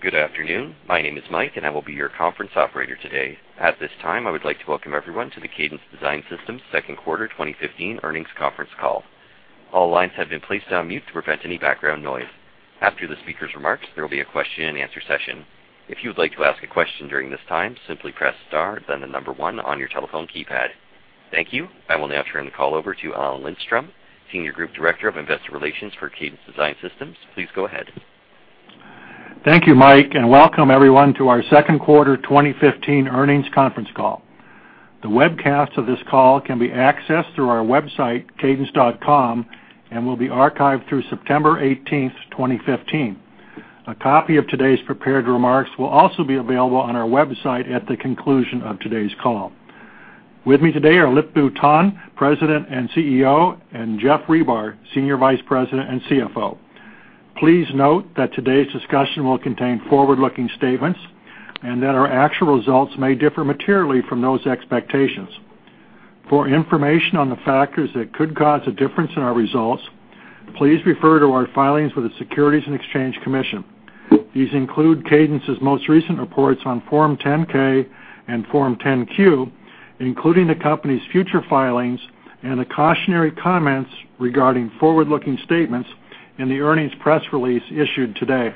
Good afternoon. My name is Mike, and I will be your conference operator today. At this time, I would like to welcome everyone to the Cadence Design Systems second quarter 2015 earnings conference call. All lines have been placed on mute to prevent any background noise. After the speaker's remarks, there will be a question and answer session. If you would like to ask a question during this time, simply press star, then the number one on your telephone keypad. Thank you. I will now turn the call over to Alan Lindstrom, Senior Group Director of Investor Relations for Cadence Design Systems. Please go ahead. Thank you, Mike, and welcome everyone to our second quarter 2015 earnings conference call. The webcast of this call can be accessed through our website, cadence.com, and will be archived through September 18th, 2015. A copy of today's prepared remarks will also be available on our website at the conclusion of today's call. With me today are Lip-Bu Tan, President and CEO, and Geoff Ribar, Senior Vice President and CFO. Please note that today's discussion will contain forward-looking statements and that our actual results may differ materially from those expectations. For information on the factors that could cause a difference in our results, please refer to our filings with the Securities and Exchange Commission. These include Cadence's most recent reports on Form 10-K and Form 10-Q, including the company's future filings and the cautionary comments regarding forward-looking statements in the earnings press release issued today.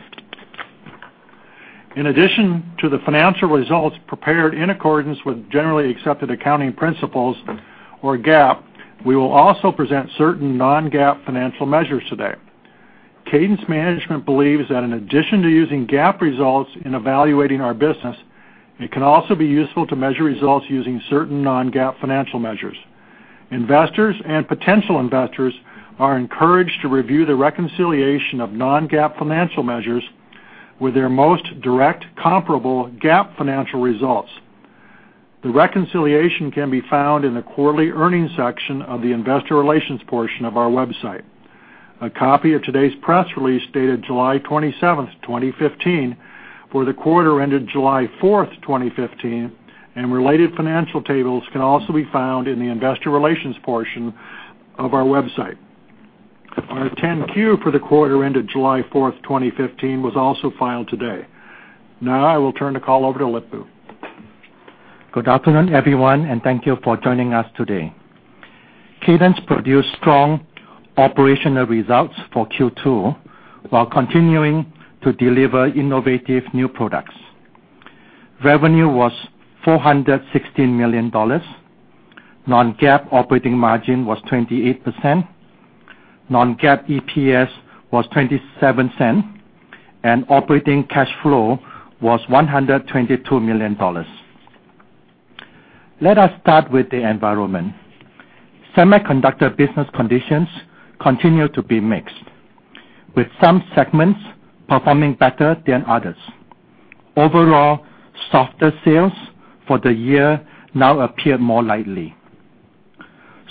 In addition to the financial results prepared in accordance with generally accepted accounting principles or GAAP, we will also present certain non-GAAP financial measures today. Cadence management believes that in addition to using GAAP results in evaluating our business, it can also be useful to measure results using certain non-GAAP financial measures. Investors and potential investors are encouraged to review the reconciliation of non-GAAP financial measures with their most direct comparable GAAP financial results. The reconciliation can be found in the quarterly earnings section of the investor relations portion of our website. A copy of today's press release, dated July 27th, 2015, for the quarter ended July 4th, 2015, and related financial tables can also be found in the investor relations portion of our website. Our 10-Q for the quarter ended July 4th, 2015, was also filed today. Now, I will turn the call over to Lip-Bu. Good afternoon, everyone, and thank you for joining us today. Cadence produced strong operational results for Q2 while continuing to deliver innovative new products. Revenue was $416 million. Non-GAAP operating margin was 28%. Non-GAAP EPS was $0.27, and operating cash flow was $122 million. Let us start with the environment. Semiconductor business conditions continue to be mixed, with some segments performing better than others. Overall, softer sales for the year now appear more likely.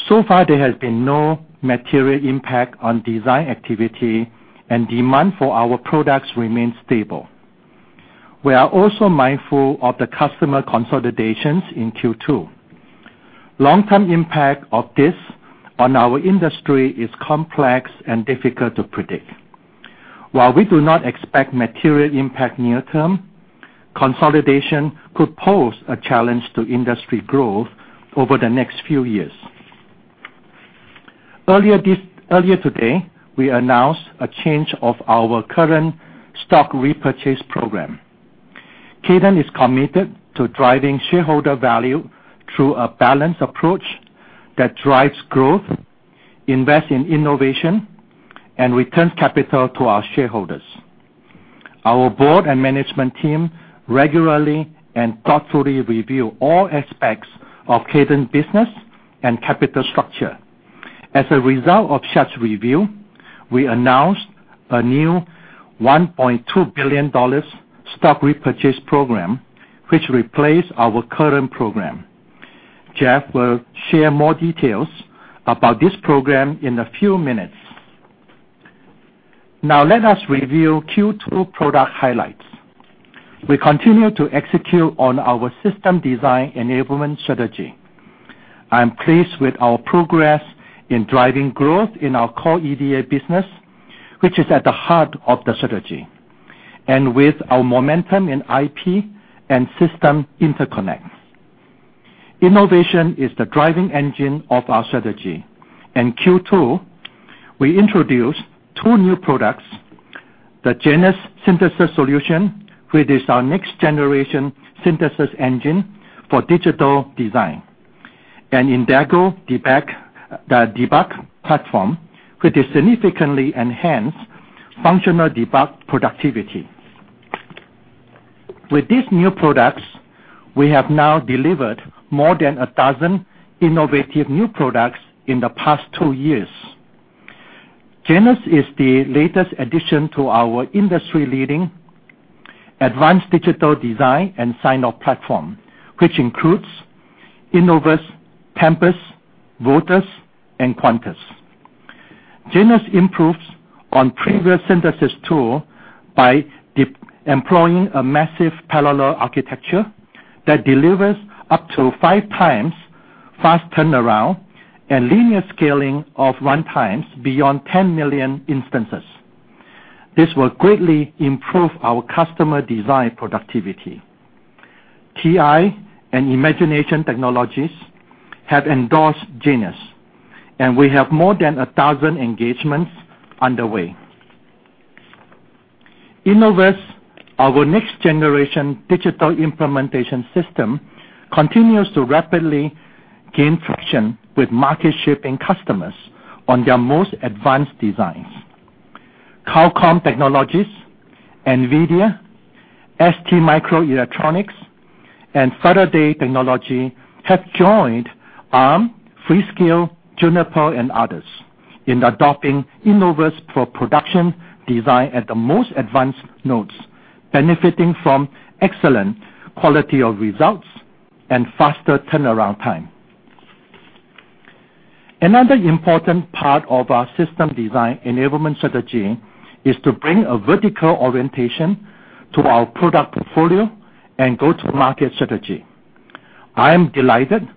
So far, there has been no material impact on design activity, and demand for our products remains stable. We are also mindful of the customer consolidations in Q2. Long-term impact of this on our industry is complex and difficult to predict. While we do not expect material impact near term, consolidation could pose a challenge to industry growth over the next few years. Earlier today, we announced a change of our current stock repurchase program. Cadence is committed to driving shareholder value through a balanced approach that drives growth, invests in innovation, and returns capital to our shareholders. Our board and management team regularly and thoughtfully review all aspects of Cadence business and capital structure. As a result of such review, we announced a new $1.2 billion stock repurchase program, which replaced our current program. Geoff will share more details about this program in a few minutes. Let us review Q2 product highlights. We continue to execute on our system design enablement strategy. I am pleased with our progress in driving growth in our core EDA business, which is at the heart of the strategy, and with our momentum in IP and system interconnects. Innovation is the driving engine of our strategy. In Q2, we introduced 2 new products, the Genus Synthesis Solution, which is our next-generation synthesis engine for digital design, and Indago debug platform, which significantly enhance functional debug productivity. With these new products, we have now delivered more than a dozen innovative new products in the past 2 years. Genus is the latest addition to our industry-leading advanced digital design and sign-off platform, which includes Innovus, Tempus, Virtuoso, and Quantus. Genus improves on previous synthesis tool by employing a massive parallel architecture that delivers up to 5 times fast turnaround, and linear scaling of runtimes beyond 10 million instances. This will greatly improve our customer design productivity. TI and Imagination Technologies have endorsed Genus, and we have more than 1,000 engagements underway. Innovus, our next generation digital implementation system, continues to rapidly gain traction with market-shipping customers on their most advanced designs. Qualcomm Technologies, Nvidia, STMicroelectronics, and Faraday Technology have joined Arm, Freescale, Juniper, and others in adopting Innovus for production design at the most advanced nodes, benefiting from excellent quality of results and faster turnaround time. Another important part of our system design enablement strategy is to bring a vertical orientation to our product portfolio and go-to-market strategy. I am delighted to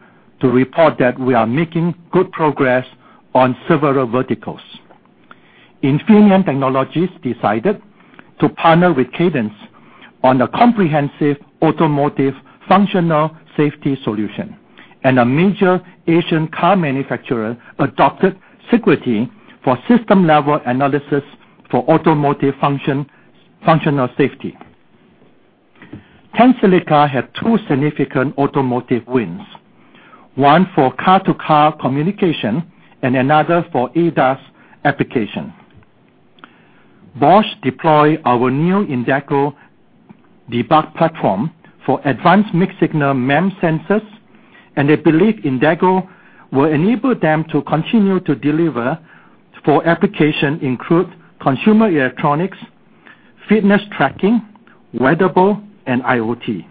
report that we are making good progress on several verticals. Infineon Technologies decided to partner with Cadence on a comprehensive automotive functional safety solution, a major Asian car manufacturer adopted Sigrity for system-level analysis for automotive functional safety. Tensilica had 2 significant automotive wins, 1 for car-to-car communication and another for ADAS application. Bosch deploy our new Indago debug platform for advanced mixed signal MEMS sensors, they believe Indago will enable them to continue to deliver for application include consumer electronics, fitness tracking, wearable, and IoT.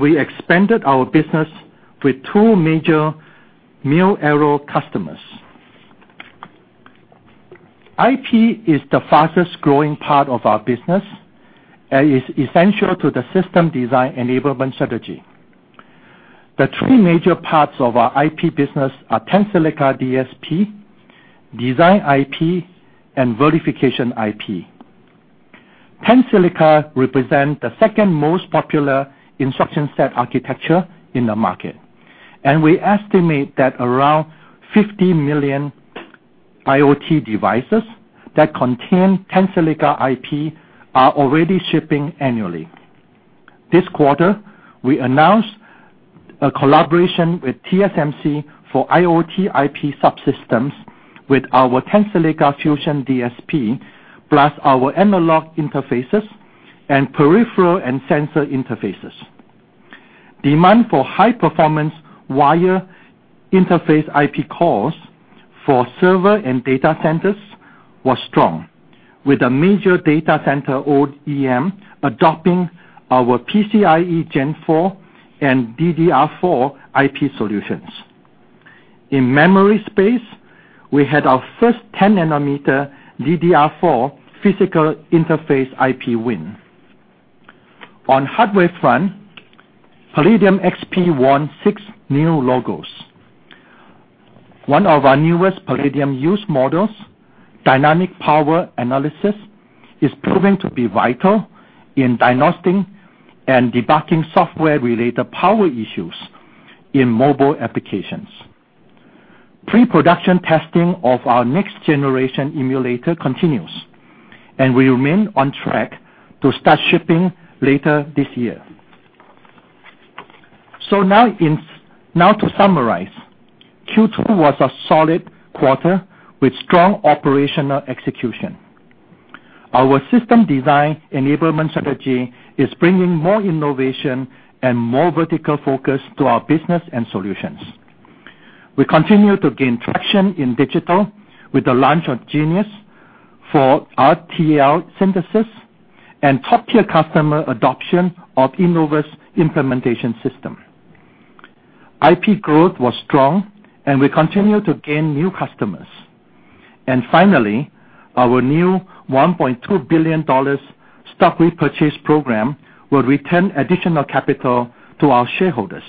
We expanded our business with 2 major mil-aero customers. IP is the fastest-growing part of our business and is essential to the system design enablement strategy. The 3 major parts of our IP business are Tensilica DSP, design IP, and verification IP. Tensilica represent the second most popular instruction set architecture in the market, we estimate that around 50 million IoT devices that contain Tensilica IP are already shipping annually. This quarter, we announced a collaboration with TSMC for IoT IP subsystems with our Tensilica Fusion DSP, plus our analog interfaces and peripheral and sensor interfaces. Demand for high-performance wire interface IP cores for server and data centers was strong, with a major data center OEM adopting our PCIe Gen 4 and DDR4 IP solutions. In memory space, we had our first 10-nanometer DDR4 physical interface IP win. On hardware front, Palladium XP won 6 new logos. One of our newest Palladium use models, dynamic power analysis, is proving to be vital in diagnosing and debugging software-related power issues in mobile applications. Pre-production testing of our next generation emulator continues. We remain on track to start shipping later this year. Now to summarize, Q2 was a solid quarter with strong operational execution. Our system design enablement strategy is bringing more innovation and more vertical focus to our business and solutions. We continue to gain traction in digital with the launch of Genus for RTL synthesis and top-tier customer adoption of Innovus implementation system. IP growth was strong. We continue to gain new customers. Finally, our new $1.2 billion stock repurchase program will return additional capital to our shareholders.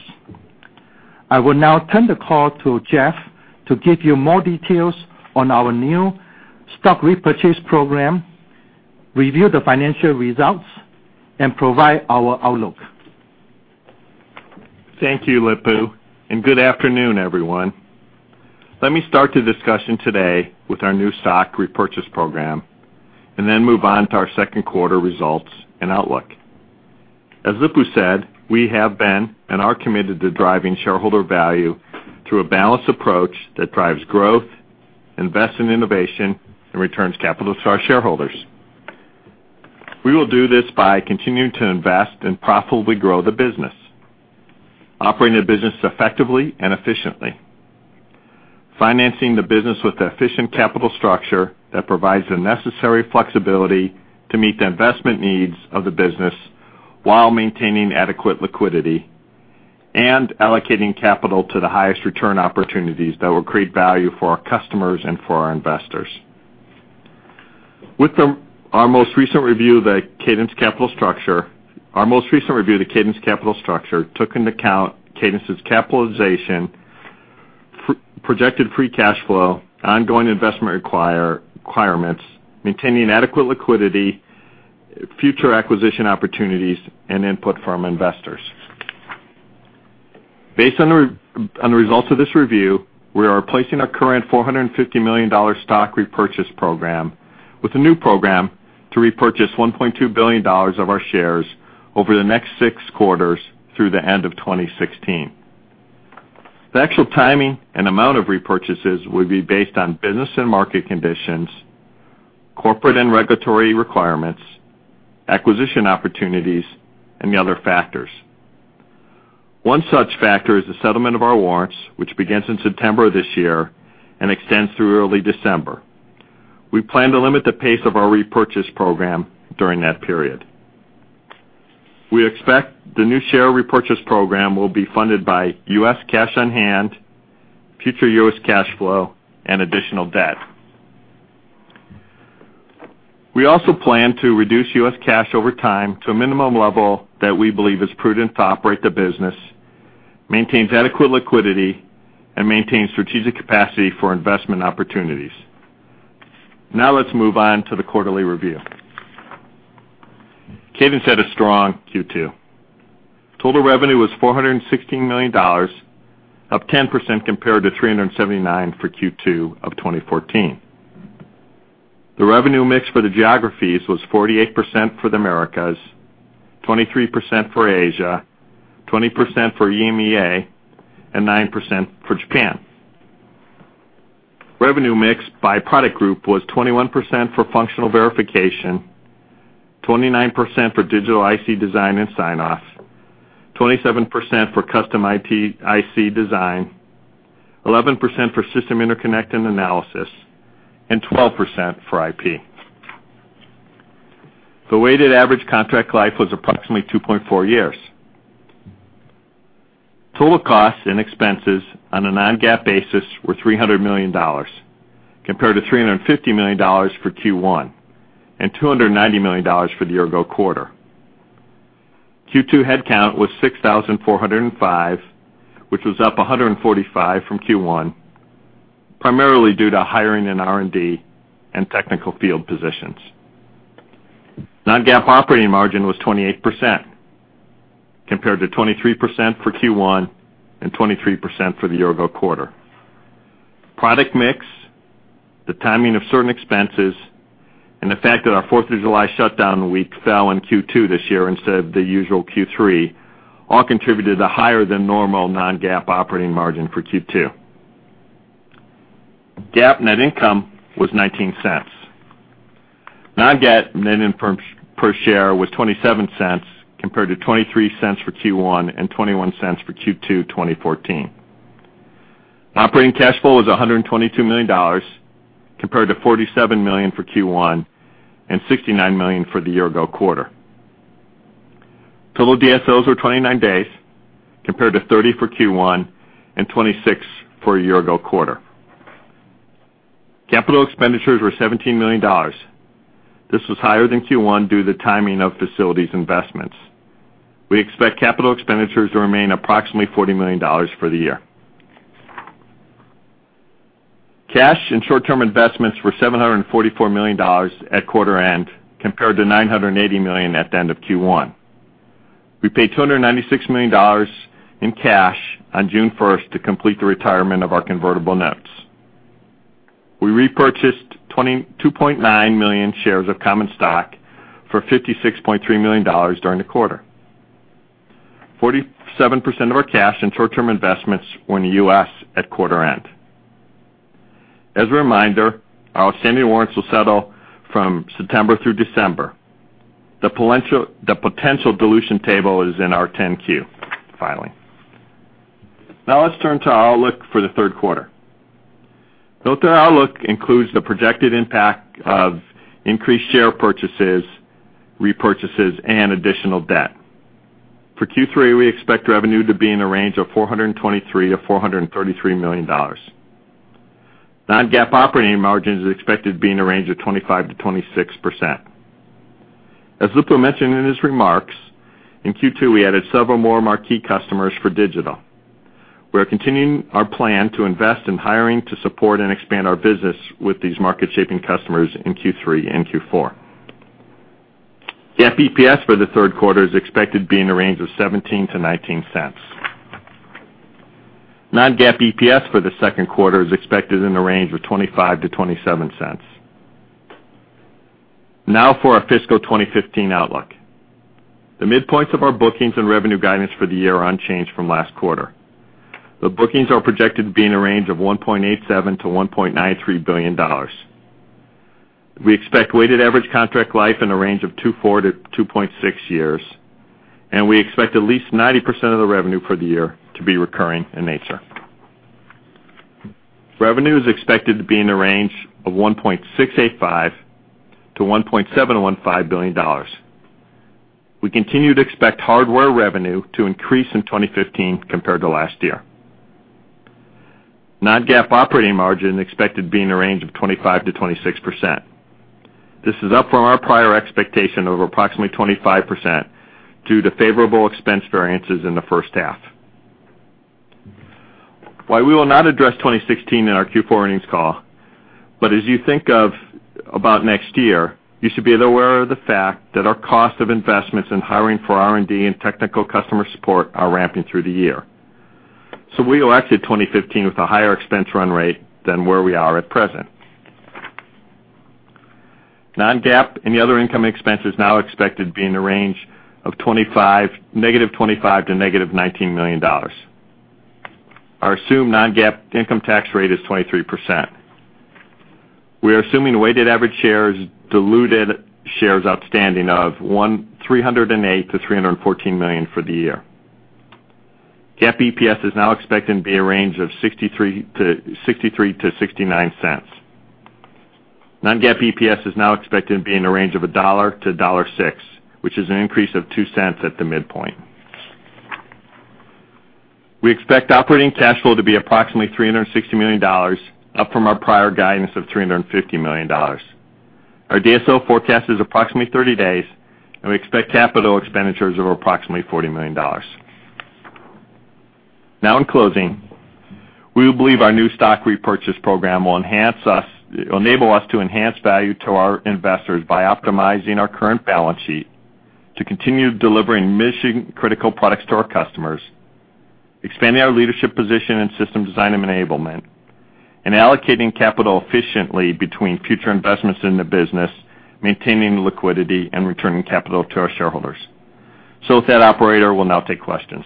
I will now turn the call to Geoff to give you more details on our new stock repurchase program, review the financial results, and provide our outlook. Thank you, Lip-Bu. Good afternoon, everyone. Let me start the discussion today with our new stock repurchase program. Then move on to our second quarter results and outlook. As Lip-Bu said, we have been and are committed to driving shareholder value through a balanced approach that drives growth, invests in innovation, and returns capital to our shareholders. We will do this by continuing to invest and profitably grow the business, operating the business effectively and efficiently, financing the business with efficient capital structure that provides the necessary flexibility to meet the investment needs of the business while maintaining adequate liquidity and allocating capital to the highest return opportunities that will create value for our customers and for our investors. With our most recent review of the Cadence capital structure took into account Cadence's capitalization, projected free cash flow, ongoing investment requirements, maintaining adequate liquidity, future acquisition opportunities, input from investors. Based on the results of this review, we are replacing our current $450 million stock repurchase program with a new program to repurchase $1.2 billion of our shares over the next 6 quarters through the end of 2016. The actual timing and amount of repurchases will be based on business and market conditions, corporate and regulatory requirements, acquisition opportunities, the other factors. One such factor is the settlement of our warrants, which begins in September of this year and extends through early December. We plan to limit the pace of our repurchase program during that period. We expect the new share repurchase program will be funded by U.S. cash on hand, future U.S. cash flow, and additional debt. We also plan to reduce U.S. cash over time to a minimum level that we believe is prudent to operate the business, maintains adequate liquidity, and maintains strategic capacity for investment opportunities. Now let's move on to the quarterly review. Cadence had a strong Q2. Total revenue was $416 million, up 10% compared to $379 million for Q2 of 2014. The revenue mix for the geographies was 48% for the Americas, 23% for Asia, 20% for EMEA, and 9% for Japan. Revenue mix by product group was 21% for functional verification, 29% for digital IC design and sign-offs, 27% for custom IC design, 11% for system interconnect and analysis, and 12% for IP. The weighted average contract life was approximately 2.4 years. Total costs and expenses on a non-GAAP basis were $300 million, compared to $350 million for Q1 and $290 million for the year-ago quarter. Q2 headcount was 6,405, which was up 145 from Q1, primarily due to hiring in R&D and technical field positions. Non-GAAP operating margin was 28%, compared to 23% for Q1 and 23% for the year-ago quarter. Product mix, the timing of certain expenses, and the fact that our Fourth of July shutdown week fell in Q2 this year instead of the usual Q3, all contributed to higher than normal non-GAAP operating margin for Q2. GAAP net income was $0.19. Non-GAAP net income per share was $0.27, compared to $0.23 for Q1 and $0.21 for Q2 2014. Operating cash flow was $122 million, compared to $47 million for Q1 and $69 million for the year-ago quarter. Total DSOs were 29 days, compared to 30 for Q1 and 26 for a year-ago quarter. Capital expenditures were $17 million. This was higher than Q1 due to the timing of facilities investments. We expect capital expenditures to remain approximately $40 million for the year. Cash and short-term investments were $744 million at quarter end, compared to $980 million at the end of Q1. We paid $296 million in cash on June 1st to complete the retirement of our convertible notes. We repurchased 22.9 million shares of common stock for $56.3 million during the quarter. 47% of our cash and short-term investments were in the U.S. at quarter end. As a reminder, our outstanding warrants will settle from September through December. The potential dilution table is in our 10-Q filing. Now let's turn to our outlook for the third quarter. The outlook includes the projected impact of increased share repurchases and additional debt. For Q3, we expect revenue to be in the range of $423 million-$433 million. Non-GAAP operating margin is expected to be in the range of 25%-26%. As Lip-Bu mentioned in his remarks, in Q2, we added several more marquee customers for digital. We are continuing our plan to invest in hiring to support and expand our business with these market-shaping customers in Q3 and Q4. GAAP EPS for the third quarter is expected to be in the range of $0.17-$0.19. Non-GAAP EPS for the second quarter is expected in the range of $0.25-$0.27. Now for our fiscal 2015 outlook. The midpoints of our bookings and revenue guidance for the year are unchanged from last quarter. The bookings are projected to be in a range of $1.87-$1.93 billion. We expect weighted average contract life in the range of 2.4-2.6 years, and we expect at least 90% of the revenue for the year to be recurring in nature. Revenue is expected to be in the range of $1.685-$1.715 billion. We continue to expect hardware revenue to increase in 2015 compared to last year. Non-GAAP operating margin expected to be in the range of 25%-26%. This is up from our prior expectation of approximately 25% due to favorable expense variances in the first half. While we will not address 2016 in our Q4 earnings call, as you think about next year, you should be aware of the fact that our cost of investments in hiring for R&D and technical customer support are ramping through the year. We will exit 2015 with a higher expense run rate than where we are at present. Non-GAAP and the other income expenses now expected to be in the range of negative $25 million to negative $19 million. Our assumed non-GAAP income tax rate is 23%. We are assuming weighted average shares, diluted shares outstanding of 308-314 million for the year. GAAP EPS is now expected to be in the range of $0.63-$0.69. Non-GAAP EPS is now expected to be in the range of $1-$1.06, which is an increase of $0.02 at the midpoint. We expect operating cash flow to be approximately $360 million, up from our prior guidance of $350 million. Our DSO forecast is approximately 30 days, and we expect capital expenditures of approximately $40 million. In closing, we believe our new stock repurchase program will enable us to enhance value to our investors by optimizing our current balance sheet to continue delivering mission-critical products to our customers, expanding our leadership position in system design and enablement, and allocating capital efficiently between future investments in the business, maintaining liquidity, and returning capital to our shareholders. With that, operator, we'll now take questions.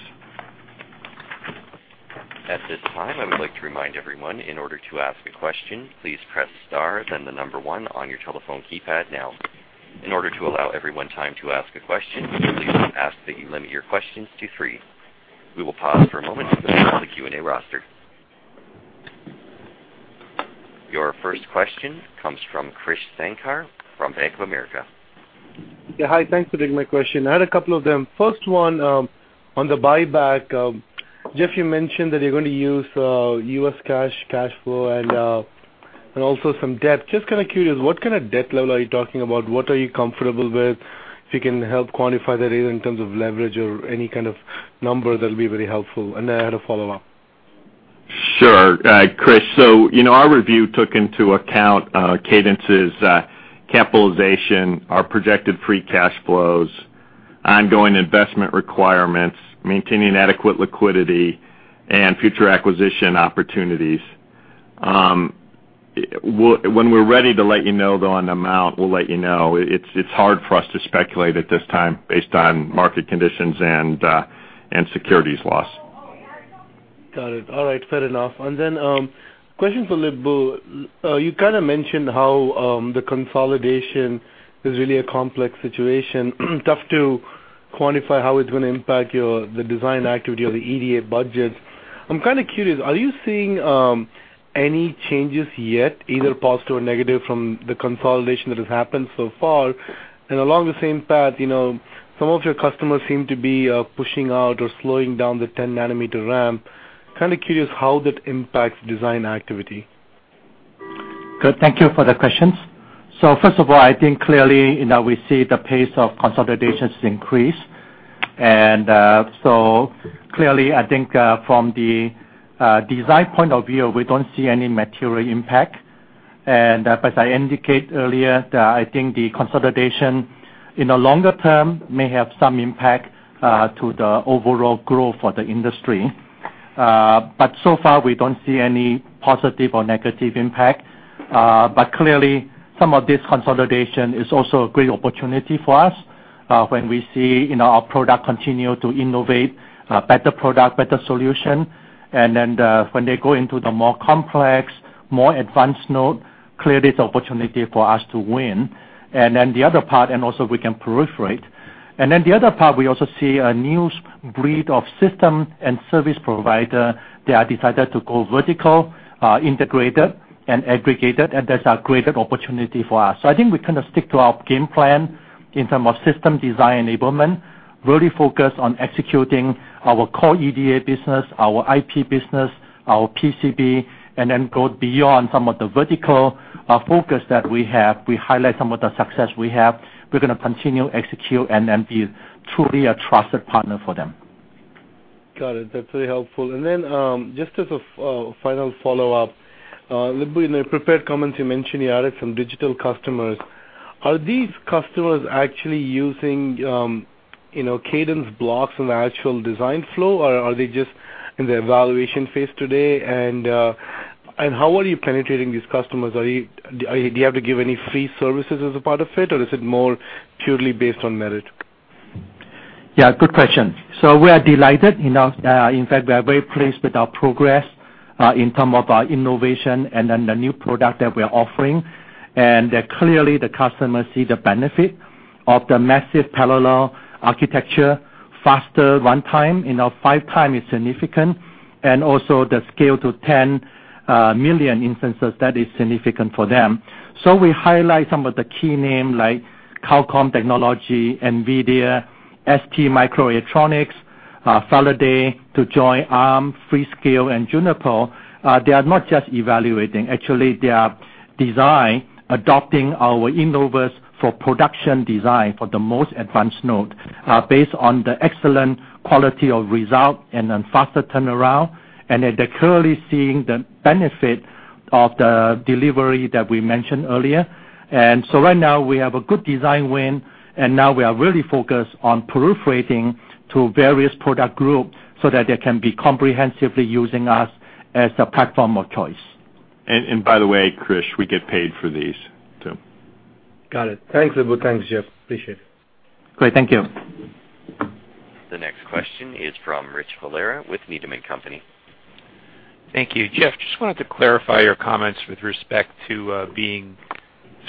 At this time, I would like to remind everyone, in order to ask a question, please press star then the number one on your telephone keypad now. In order to allow everyone time to ask a question, we would please ask that you limit your questions to three. We will pause for a moment to go through the Q&A roster. Your first question comes from Krish Sankar from Bank of America. Hi. Thanks for taking my question. I had a couple of them. First one, on the buyback. Geoff, you mentioned that you're going to use U.S. cash flow and also some debt. Just kind of curious, what kind of debt level are you talking about? What are you comfortable with? If you can help quantify that either in terms of leverage or any kind of number, that'll be very helpful. I had a follow-up. Sure. Krish, our review took into account Cadence's capitalization, our projected free cash flows, ongoing investment requirements, maintaining adequate liquidity, and future acquisition opportunities. When we're ready to let you know, though, on amount, we'll let you know. It's hard for us to speculate at this time based on market conditions and securities laws. Got it. All right, fair enough. Question for Lip-Bu. You kind of mentioned how the consolidation is really a complex situation, tough to quantify how it's going to impact the design activity or the EDA budgets. I'm kind of curious, are you seeing any changes yet, either positive or negative from the consolidation that has happened so far? Along the same path, some of your customers seem to be pushing out or slowing down the 10 nanometer ramp. Kind of curious how that impacts design activity. Good. Thank you for the questions. First of all, I think clearly, we see the pace of consolidations increase. Clearly, I think from the design point of view, we don't see any material impact. As I indicate earlier, I think the consolidation in the longer term may have some impact to the overall growth for the industry. So far, we don't see any positive or negative impact. Clearly, some of this consolidation is also a great opportunity for us, when we see our product continue to innovate, better product, better solution. When they go into the more complex, more advanced node, clearly it's an opportunity for us to win. Also we can proliferate. The other part, we also see a new breed of system and service provider. They are decided to go vertical, integrated, and aggregated, That's a greater opportunity for us. I think we kind of stick to our game plan in terms of system design enablement, really focus on executing our core EDA business, our IP business, our PCB, and then go beyond some of the vertical focus that we have. We highlight some of the success we have. We're going to continue, execute, and then be truly a trusted partner for them. Got it. That's very helpful. Just as a final follow-up. Lip-Bu, in the prepared comments you mentioned you added some digital customers. Are these customers actually using Cadence blocks in the actual design flow, or are they just in the evaluation phase today, and how are you penetrating these customers? Do you have to give any free services as a part of it, or is it more purely based on merit? Good question. We are delighted. In fact, we are very pleased with our progress in terms of our innovation and then the new product that we're offering. Clearly, the customers see the benefit of the massive parallel architecture, faster runtime, five times is significant, and also the scale to 10 million instances, that is significant for them. We highlight some of the key names like Qualcomm Technologies, Nvidia, STMicroelectronics, Faraday to join Arm, Freescale, and Juniper. They are not just evaluating. Actually, they are design adopting our Innovus for production design for the most advanced node, based on the excellent quality of result and then faster turnaround, and they're currently seeing the benefit of the delivery that we mentioned earlier. Right now we have a good design win, and now we are really focused on proliferating to various product groups so that they can be comprehensively using us as the platform of choice. By the way, Krish, we get paid for these too. Got it. Thanks, Lip-Bu. Thanks, Geoff. Appreciate it. Great. Thank you. The next question is from Rich Valera with Needham & Company. Thank you. Geoff, just wanted to clarify your comments with respect to being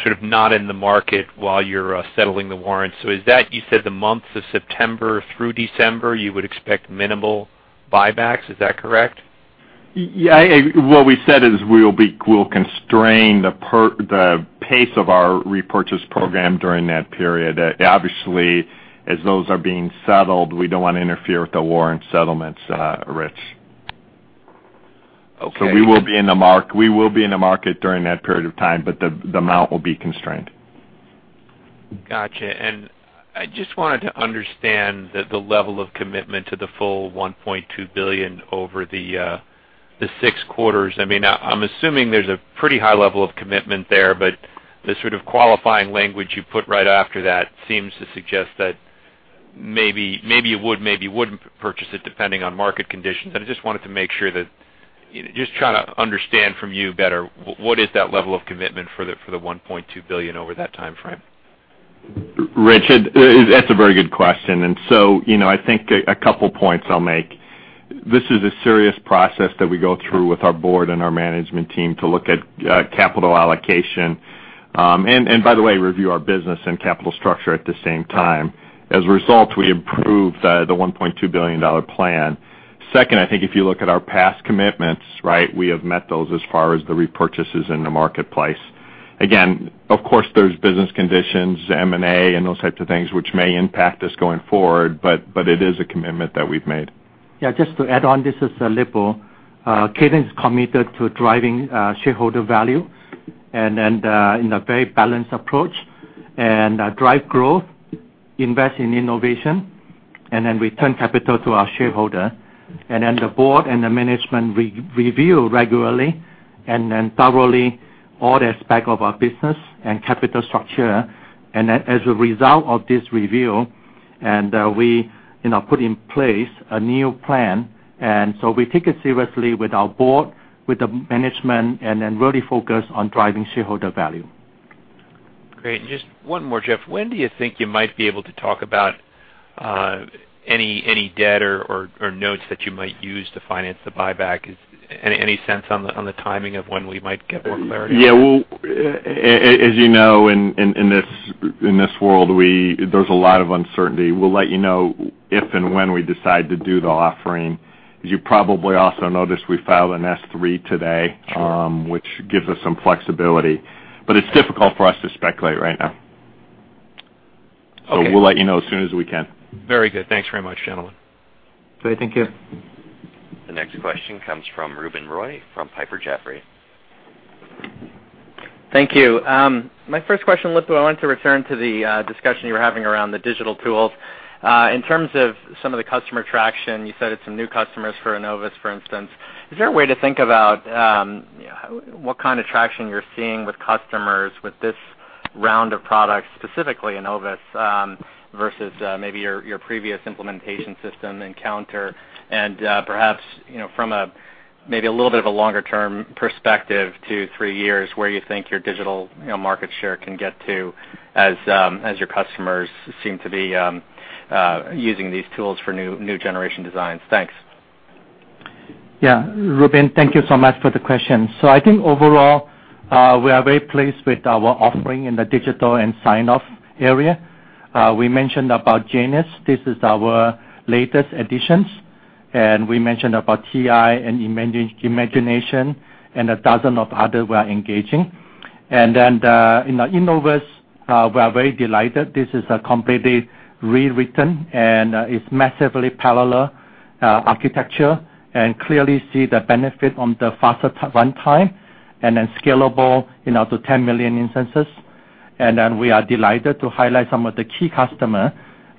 sort of not in the market while you're settling the warrants. Is that you said the months of September through December, you would expect minimal buybacks, is that correct? Yeah. What we said is we'll constrain the pace of our repurchase program during that period. Obviously, as those are being settled, we don't want to interfere with the warrant settlements, Rich. Okay. We will be in the market during that period of time, but the amount will be constrained. Got you. I just wanted to understand the level of commitment to the full $1.2 billion over the six quarters. I'm assuming there's a pretty high level of commitment there, the sort of qualifying language you put right after that seems to suggest that maybe you would, maybe wouldn't purchase it depending on market conditions, I just wanted to make sure that, just trying to understand from you better, what is that level of commitment for the $1.2 billion over that timeframe? Rich, that's a very good question. I think a couple of points I'll make. This is a serious process that we go through with our board and our management team to look at capital allocation, and by the way, review our business and capital structure at the same time. As a result, we improved the $1.2 billion plan. Second, I think if you look at our past commitments, right? We have met those as far as the repurchases in the marketplace. Again, of course, there's business conditions, M&A, and those types of things which may impact us going forward, but it is a commitment that we've made. Yeah, just to add on, this is Lip-Bu. Cadence is committed to driving shareholder value and in a very balanced approach, and drive growth, invest in innovation, and then return capital to our shareholder. The board and the management review regularly and thoroughly all the aspects of our business and capital structure. As a result of this review, we put in place a new plan, we take it seriously with our board, with the management, and then really focus on driving shareholder value. Great. Just one more, Geoff. When do you think you might be able to talk about any debt or notes that you might use to finance the buyback? Any sense on the timing of when we might get more clarity on that? Yeah. As you know, in this world, there's a lot of uncertainty. We'll let you know if and when we decide to do the offering. As you probably also noticed, we filed an S3 today. Sure which gives us some flexibility. It's difficult for us to speculate right now. Okay. We'll let you know as soon as we can. Very good. Thanks very much, gentlemen. Great. Thank you. The next question comes from Ruben Roy from Piper Jaffray. Thank you. My first question, Lip-Bu, I wanted to return to the discussion you were having around the digital tools. In terms of some of the customer traction, you said it's some new customers for Innovus, for instance. Is there a way to think about what kind of traction you're seeing with customers with this round of products, specifically Innovus, versus maybe your previous implementation system Encounter and perhaps, from a maybe a little bit of a longer-term perspective, two, three years, where you think your digital market share can get to as your customers seem to be using these tools for new generation designs? Thanks. Ruben, thank you so much for the question. I think overall, we are very pleased with our offering in the digital and sign-off area. We mentioned about Genus. This is our latest additions. We mentioned about TI and Imagination and a dozen of other we are engaging. The Innovus, we are very delighted. This is completely rewritten, and it's massively parallel architecture and clearly see the benefit on the faster runtime and then scalable to 10 million instances. We are delighted to highlight some of the key customer.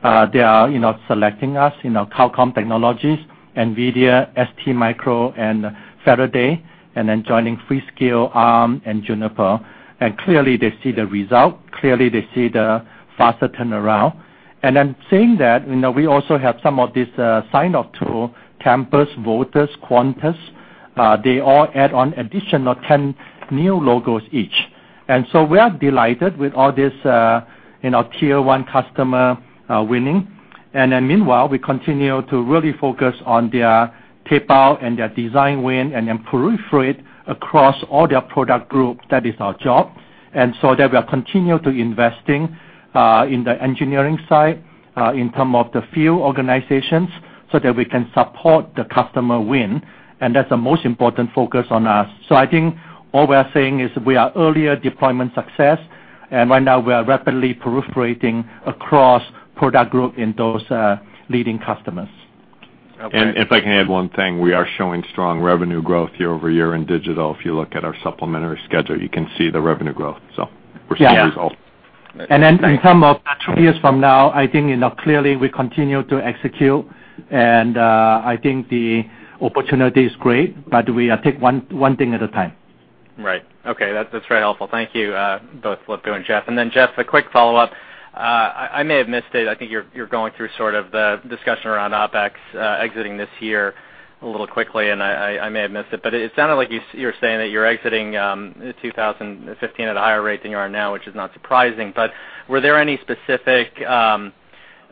They are selecting us, Qualcomm Technologies, Nvidia, STMicro, and Faraday, joining Freescale, Arm, and Juniper. Clearly they see the result, clearly they see the faster turnaround. Saying that, we also have some of this sign off tool, Tempus, Voltus, Quantus, they all add on additional 10 new logos each. We are delighted with all this tier 1 customer winning. Meanwhile, we continue to really focus on their tape out and their design win and then proliferate across all their product group. That is our job. So that we are continue to investing in the engineering side in terms of the few organizations so that we can support the customer win, and that's the most important focus on us. All we are saying is we are earlier deployment success, and right now we are rapidly proliferating across product group in those leading customers. Okay. If I can add one thing, we are showing strong revenue growth year-over-year in digital. If you look at our supplementary schedule, you can see the revenue growth. We're seeing results. Yeah. In term of two years from now, I think clearly we continue to execute, and I think the opportunity is great, but we take one thing at a time. Right. Okay. That's very helpful. Thank you both, Lip-Bu and Geoff. Geoff, a quick follow-up. I may have missed it. I think you're going through sort of the discussion around OpEx exiting this year a little quickly, and I may have missed it, but it sounded like you were saying that you're exiting 2015 at a higher rate than you are now, which is not surprising, but were there any specific areas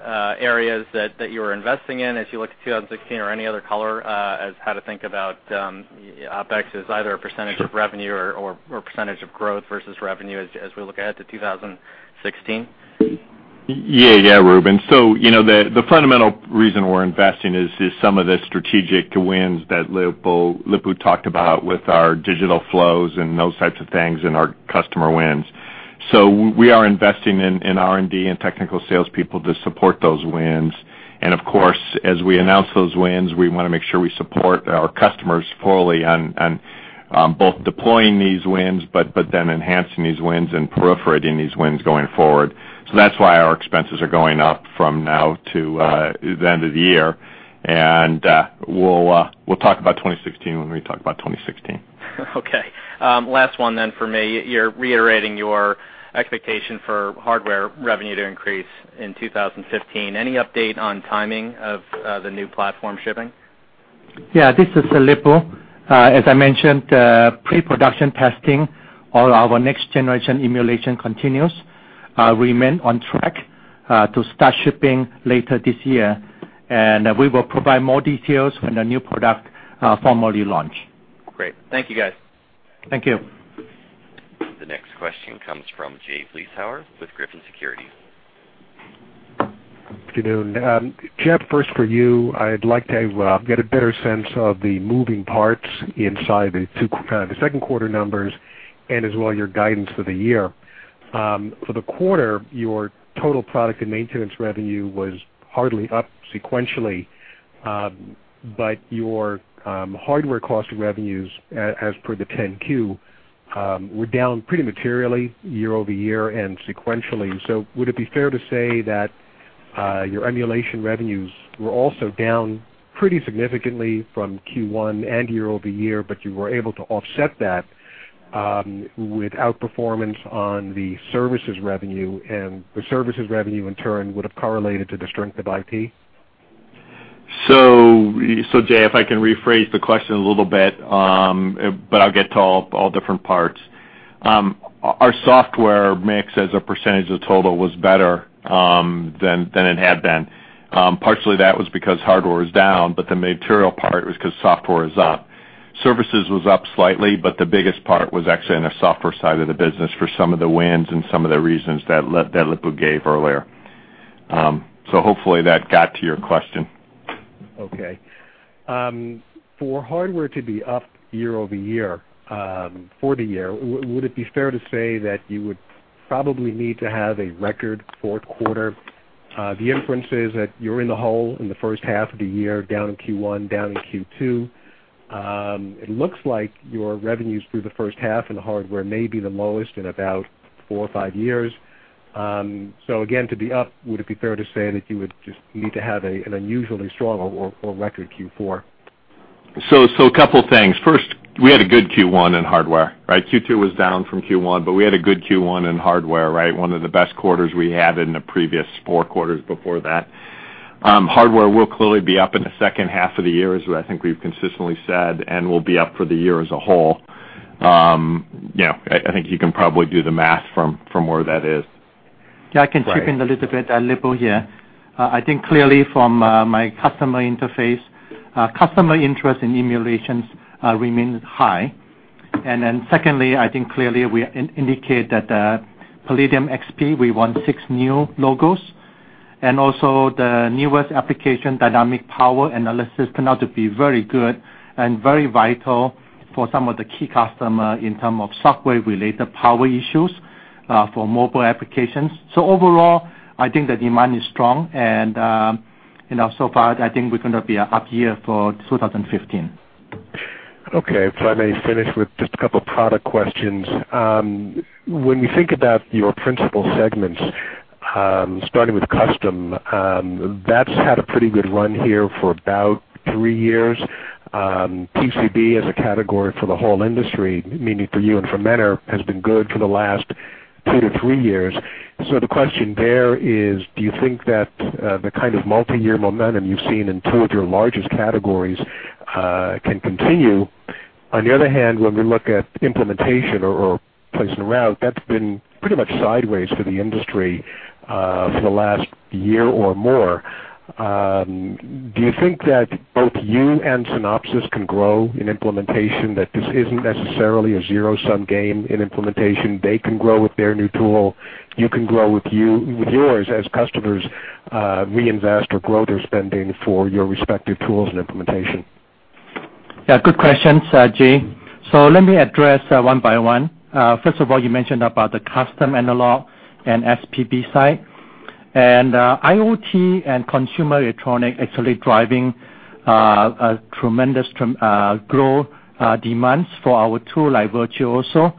that you were investing in as you look to 2016 or any other color as how to think about OpEx as either a % of revenue or % of growth versus revenue as we look ahead to 2016? Yeah, Ruben. The fundamental reason we're investing is some of the strategic wins that Lip-Bu talked about with our digital flows and those types of things and our customer wins. We are investing in R&D and technical sales people to support those wins. Of course, as we announce those wins, we want to make sure we support our customers fully on both deploying these wins, but then enhancing these wins and proliferating these wins going forward. That's why our expenses are going up from now to the end of the year, and we'll talk about 2016 when we talk about 2016. Last one for me. You're reiterating your expectation for hardware revenue to increase in 2015. Any update on timing of the new platform shipping? This is Lip-Bu. As I mentioned, pre-production testing all our next generation emulation continues. We remain on track to start shipping later this year. We will provide more details when the new product formally launch. Great. Thank you, guys. Thank you. The next question comes from Jay Vleeschhouwer with Griffin Securities. Good afternoon. Geoff, first for you, I'd like to get a better sense of the moving parts inside the second quarter numbers and as well your guidance for the year. For the quarter, your total product and maintenance revenue was hardly up sequentially, but your hardware cost of revenues as per the 10-Q, were down pretty materially year-over-year and sequentially. Would it be fair to say that your emulation revenues were also down pretty significantly from Q1 and year-over-year, but you were able to offset that with outperformance on the services revenue, and the services revenue in turn would have correlated to the strength of IP? Jay, if I can rephrase the question a little bit, but I'll get to all different parts. Our software mix as a percentage of total was better than it had been. Partially that was because hardware is down, but the material part was because software is up. Services was up slightly, but the biggest part was actually on the software side of the business for some of the wins and some of the reasons that Lip-Bu gave earlier. Hopefully that got to your question. Okay. For hardware to be up year-over-year for the year, would it be fair to say that you would probably need to have a record fourth quarter? The inference is that you're in the hole in the first half of the year, down in Q1, down in Q2. It looks like your revenues through the first half in the hardware may be the lowest in about four or five years. Again, to be up, would it be fair to say that you would just need to have an unusually strong or record Q4? A couple of things. First, we had a good Q1 in hardware, right? Q2 was down from Q1, we had a good Q1 in hardware, right? One of the best quarters we had in the previous four quarters before that. Hardware will clearly be up in the second half of the year, as I think we've consistently said, and will be up for the year as a whole. I think you can probably do the math from where that is. I can chip in a little bit. Lip-Bu here. I think clearly from my customer interface, customer interest in emulations remains high. Secondly, I think clearly we indicate that the Palladium XP, we won six new logos. Also the newest application, dynamic power analysis, turned out to be very good and very vital for some of the key customer in term of software-related power issues for mobile applications. Overall, I think the demand is strong and so far, I think we're going to be an up year for 2015. If I may finish with just a couple product questions. When you think about your principal segments, starting with custom, that's had a pretty good run here for about three years. PCB as a category for the whole industry, meaning for you and for Mentor, has been good for the last two to three years. The question there is, do you think that the kind of multi-year momentum you've seen in two of your largest categories can continue? On the other hand, when we look at implementation or place and route, that's been pretty much sideways for the industry for the last year or more. Do you think that both you and Synopsys can grow in implementation, that this isn't necessarily a zero-sum game in implementation? They can grow with their new tool, you can grow with yours as customers reinvest or grow their spending for your respective tools and implementation. Good questions, Jay. Let me address one by one. First of all, you mentioned about the custom analog and PCB side. IoT and consumer electronic actually driving tremendous growth demands for our tool like Virtuoso.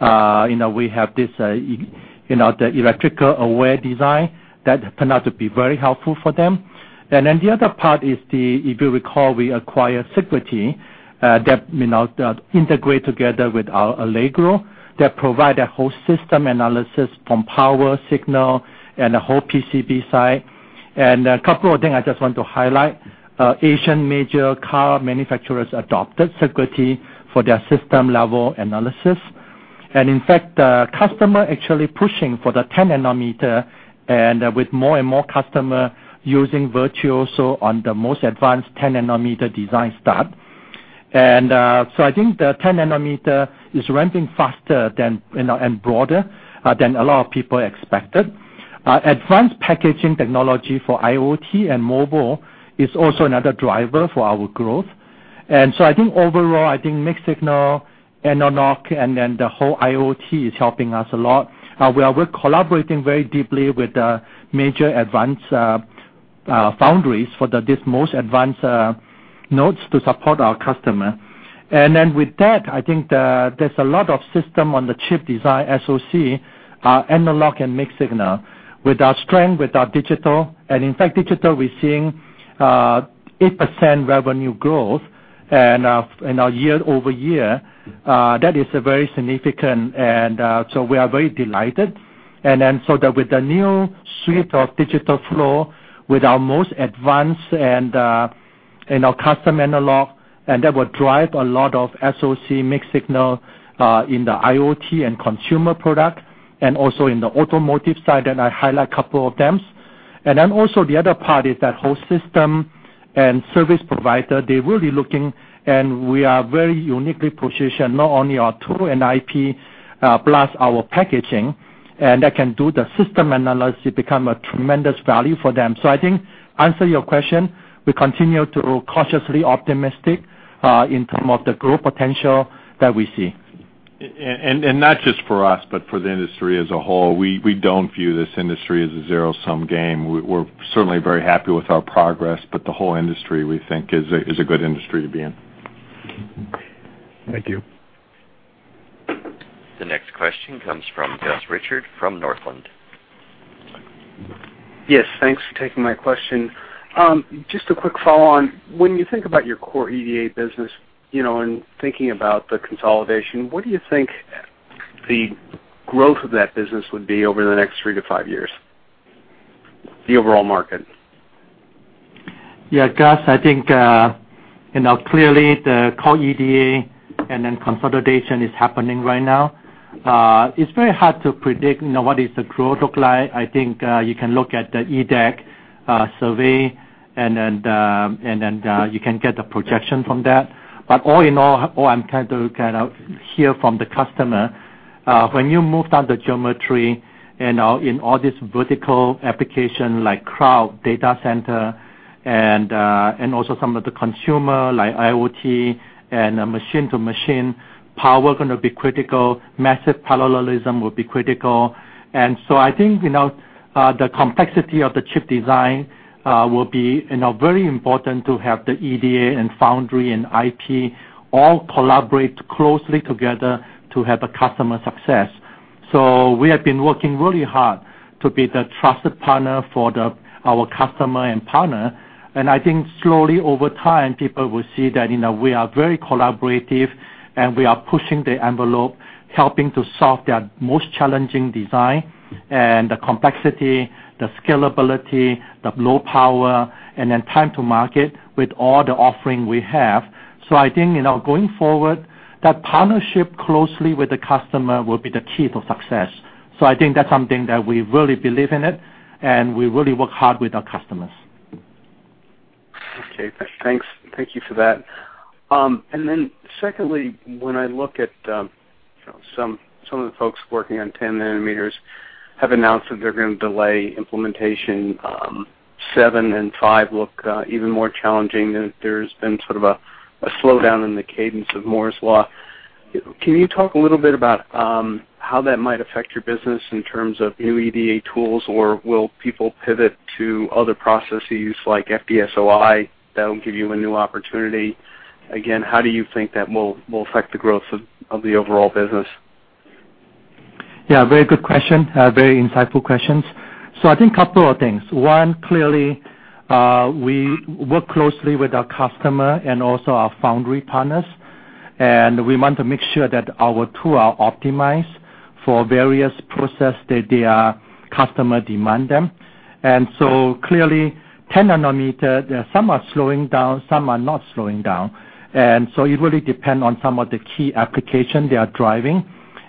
We have the electrical-aware design that turned out to be very helpful for them. The other part is, if you recall, we acquired Sigrity, that integrate together with our Allegro, that provide a whole system analysis from power signal and the whole PCB side. A couple of things I just want to highlight. Asian major car manufacturers adopted Sigrity for their system-level analysis. In fact, the customer actually pushing for the 10 nanometer and with more and more customer using Virtuoso on the most advanced 10-nanometer design start. I think the 10 nanometer is ramping faster and broader than a lot of people expected. Advanced packaging technology for IoT and mobile is also another driver for our growth. I think overall, I think mixed signal, analog, the whole IoT is helping us a lot. We are collaborating very deeply with the major advanced foundries for these most advanced nodes to support our customer. With that, I think there's a lot of system on the chip design, SoC, analog and mixed signal. With our strength, with our digital, in fact, digital, we're seeing 8% revenue growth in our year-over-year. That is very significant we are very delighted. With that with the new suite of digital flow, with our most advanced and our custom analog, that will drive a lot of SoC mixed signal, in the IoT and consumer product, also in the automotive side, I highlight a couple of them. Also the other part is that whole system and service provider, they will be looking we are very uniquely positioned, not only our tool and IP, plus our packaging, that can do the system analysis become a tremendous value for them. I think answer your question, we continue to cautiously optimistic in term of the growth potential that we see. Not just for us, for the industry as a whole. We don't view this industry as a zero-sum game. We're certainly very happy with our progress, the whole industry, we think, is a good industry to be in. Thank you. The next question comes from Gus Richard from Northland. Thanks for taking my question. Just a quick follow on. When you think about your core EDA business, and thinking about the consolidation, what do you think the growth of that business would be over the next three to five years? The overall market. Gus, I think, clearly the core EDA consolidation is happening right now. It's very hard to predict what is the growth look like. I think you can look at the EDAC survey you can get the projection from that. All in all I'm trying to hear from the customer, when you move down the geometry in all this vertical application like cloud data center and also some of the consumer like IoT and machine to machine, power going to be critical, massive parallelism will be critical. I think the complexity of the chip design will be very important to have the EDA and foundry and IP all collaborate closely together to have the customer success. We have been working really hard to be the trusted partner for our customer and partner. I think slowly over time, people will see that we are very collaborative and we are pushing the envelope, helping to solve their most challenging design and the complexity, the scalability, the low power, and then time to market with all the offering we have. I think, going forward, that partnership closely with the customer will be the key for success. I think that's something that we really believe in it, and we really work hard with our customers. Okay. Thanks. Thank you for that. Secondly, when I look at some of the folks working on 10 nanometers have announced that they're going to delay implementation. Seven and five look even more challenging. There's been sort of a slowdown in the cadence of Moore's Law. Can you talk a little bit about how that might affect your business in terms of new EDA tools, or will people pivot to other processes like FDSOI that'll give you a new opportunity? Again, how do you think that will affect the growth of the overall business? Yeah, very good question. Very insightful questions. I think couple of things. One, clearly, we work closely with our customer and also our foundry partners, and we want to make sure that our tools are optimized for various process that their customer demand them. Clearly, 10 nanometer, some are slowing down, some are not slowing down. It really depend on some of the key application they are driving.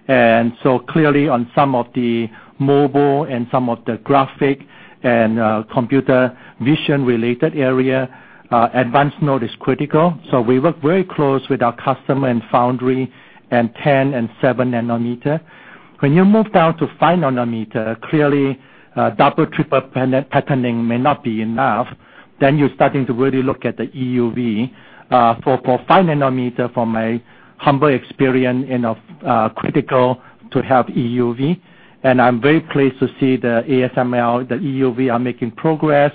Clearly on some of the mobile and some of the graphic and computer vision-related area, advanced node is critical. We work very close with our customer and foundry in 10 and 7 nanometer. When you move down to 5 nanometer, clearly double triple patterning may not be enough, then you're starting to really look at the EUV. For 5 nanometer, from my humble experience, critical to have EUV, I'm very pleased to see the ASML, the EUV are making progress.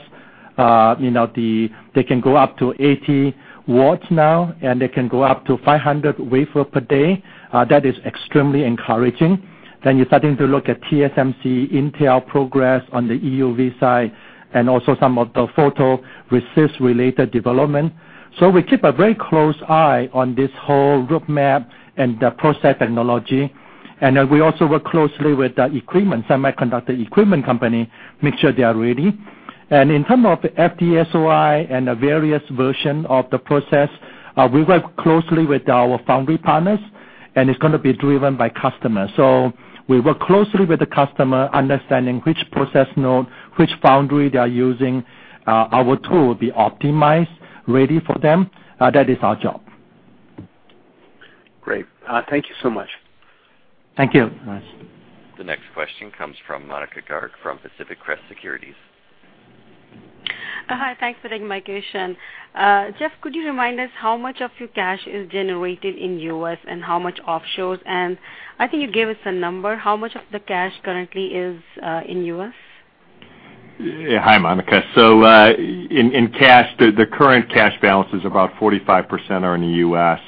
They can go up to 80 watts now, and they can go up to 500 wafer per day. That is extremely encouraging. Then you're starting to look at TSMC, Intel progress on the EUV side and also some of the photo resist-related development. We keep a very close eye on this whole roadmap and the process technology. We also work closely with the semiconductor equipment company, make sure they are ready. In terms of FDSOI and the various version of the process, we work closely with our foundry partners, and it's going to be driven by customers. We work closely with the customer, understanding which process node, which foundry they are using. Our tool will be optimized, ready for them. That is our job. Great. Thank you so much. Thank you. The next question comes from Monika Garg from Pacific Crest Securities. Hi. Thanks for taking my question. Geoff, could you remind us how much of your cash is generated in U.S. and how much offshores? I think you gave us a number. How much of the cash currently is in U.S.? Yeah. Hi, Monika. In cash, the current cash balance is about 45% are in the U.S.,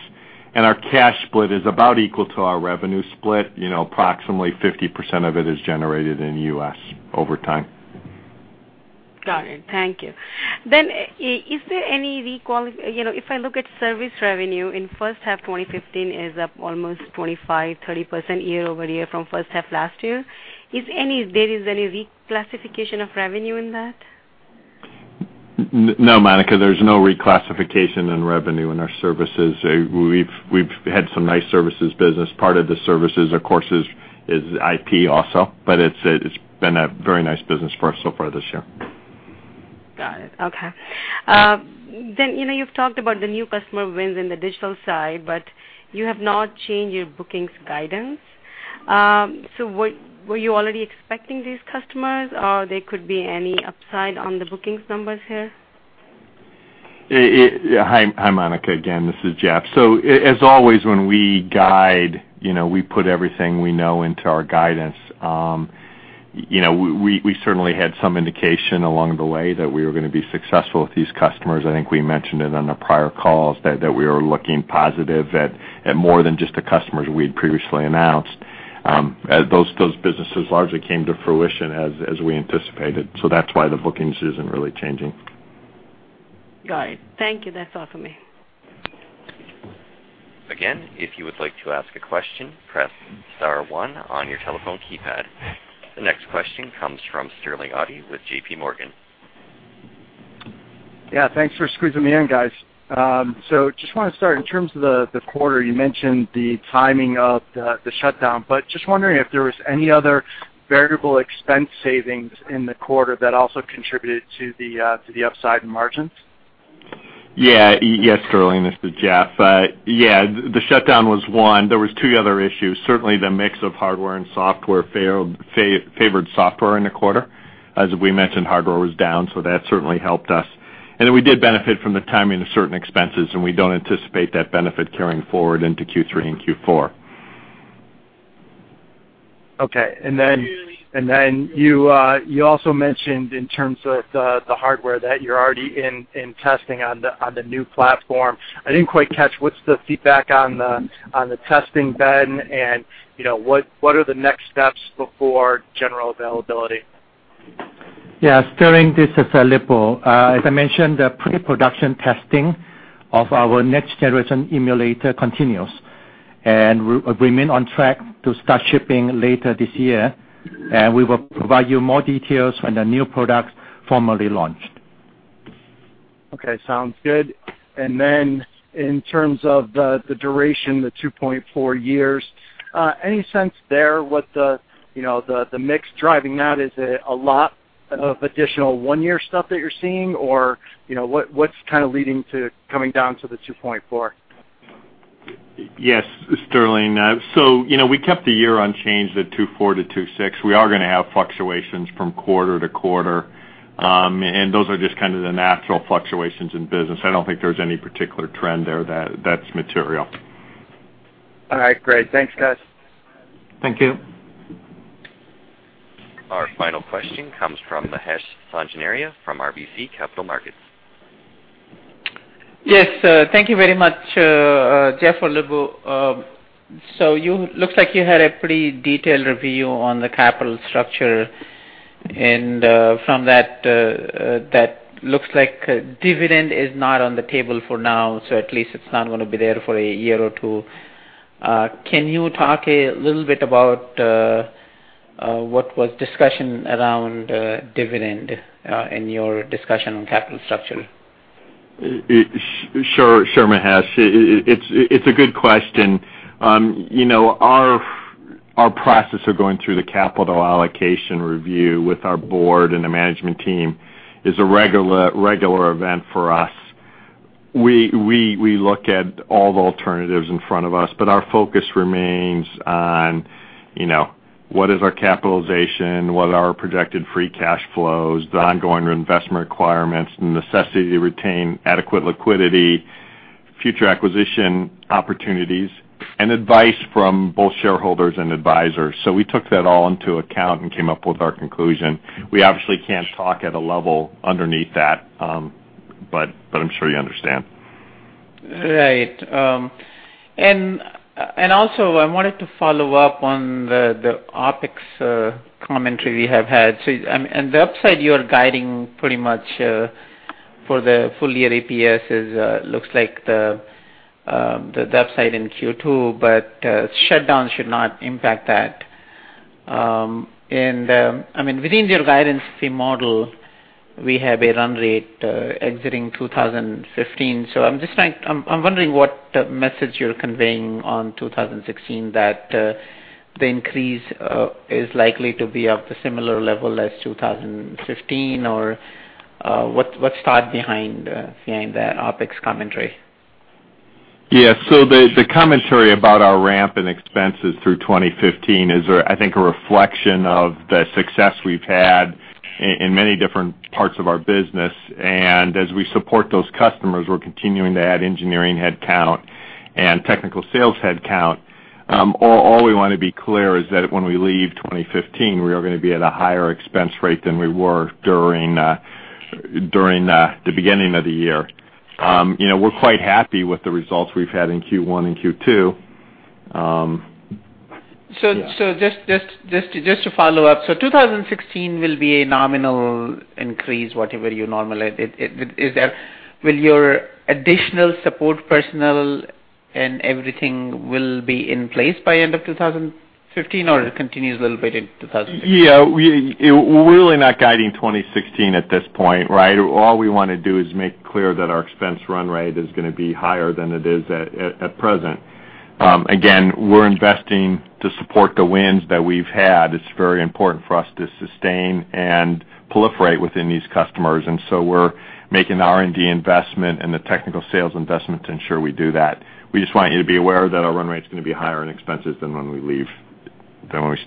and our cash split is about equal to our revenue split. Approximately 50% of it is generated in the U.S. over time. Got it. Thank you. If I look at service revenue in first half 2015 is up almost 25%-30% year-over-year from first half last year. There is any reclassification of revenue in that? No, Monika, there's no reclassification in revenue in our services. We've had some nice services business. Part of the services, of course, is IP also, but it's been a very nice business for us so far this year. Got it. Okay. You've talked about the new customer wins in the digital side, but you have not changed your bookings guidance. Were you already expecting these customers, or there could be any upside on the bookings numbers here? Hi, Monika. Again, this is Geoff. As always, when we guide, we put everything we know into our guidance. We certainly had some indication along the way that we were going to be successful with these customers. I think we mentioned it on the prior calls that we were looking positive at more than just the customers we had previously announced. Those businesses largely came to fruition as we anticipated. That's why the bookings isn't really changing. Got it. Thank you. That's all for me. Again, if you would like to ask a question, press star one on your telephone keypad. The next question comes from Sterling Auty with J.P. Morgan. Yeah. Thanks for squeezing me in, guys. I just want to start in terms of the quarter, you mentioned the timing of the shutdown, but just wondering if there was any other variable expense savings in the quarter that also contributed to the upside in margins. Yeah. Yes, Sterling, this is Geoff. The shutdown was one. There was two other issues. Certainly, the mix of hardware and software favored software in the quarter. As we mentioned, hardware was down, so that certainly helped us. We did benefit from the timing of certain expenses, and we don't anticipate that benefit carrying forward into Q3 and Q4. Okay. You also mentioned in terms of the hardware that you're already in testing on the new platform. I didn't quite catch what's the feedback on the testing been, and what are the next steps before general availability? Yeah, Sterling, this is Lip-Bu. As I mentioned, the pre-production testing of our next generation emulator continues, and we remain on track to start shipping later this year. We will provide you more details when the new product formally launched. Okay. Sounds good. Then in terms of the duration, the 2.4 years, any sense there what the mix driving that is a lot of additional one-year stuff that you're seeing, or what's kind of leading to coming down to the 2.4? Yes, Sterling. We kept the year unchanged at 2.4-2.6. We are going to have fluctuations from quarter to quarter, and those are just kind of the natural fluctuations in business. I don't think there's any particular trend there that's material. All right, great. Thanks, guys. Thank you. Our final question comes from Mahesh Sanganeria from RBC Capital Markets. Yes. Thank you very much, Geoff or Lip-Bu. Looks like you had a pretty detailed review on the capital structure, from that, looks like dividend is not on the table for now, at least it's not going to be there for a year or two. Can you talk a little bit about what was discussion around dividend in your discussion on capital structure? Sure, Mahesh. It's a good question. Our process of going through the capital allocation review with our board and the management team is a regular event for us. We look at all the alternatives in front of us, Our focus remains on what is our capitalization, what are our projected free cash flows, the ongoing investment requirements, the necessity to retain adequate liquidity, future acquisition opportunities, and advice from both shareholders and advisors. We took that all into account and came up with our conclusion. We obviously can't talk at a level underneath that, I'm sure you understand. Right. Also, I wanted to follow up on the OpEx commentary we have had. On the upside, you are guiding pretty much for the full year EPS, looks like the upside in Q2, shutdowns should not impact that. Within your guidance fee model, we have a run rate exiting 2015. I'm wondering what message you're conveying on 2016 that the increase is likely to be of the similar level as 2015, or what's thought behind that OpEx commentary? The commentary about our ramp in expenses through 2015 is, I think, a reflection of the success we've had in many different parts of our business. As we support those customers, we're continuing to add engineering headcount and technical sales headcount. All we want to be clear is that when we leave 2015, we are going to be at a higher expense rate than we were during the beginning of the year. We're quite happy with the results we've had in Q1 and Q2. Just to follow up. 2016 will be a nominal increase, whatever you normalize it. Will your additional support personnel and everything will be in place by end of 2015, or it continues a little bit in 2016? Yeah. We're really not guiding 2016 at this point, right? All we want to do is make clear that our expense run rate is going to be higher than it is at present. Again, we're investing to support the wins that we've had. It's very important for us to sustain and proliferate within these customers. We're making R&D investment and the technical sales investment to ensure we do that. We just want you to be aware that our run rate's going to be higher in expenses than when we leave than when we start.